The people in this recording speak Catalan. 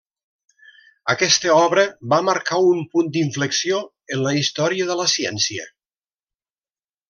Aquesta obra va marcar un punt d'inflexió en la història de la ciència.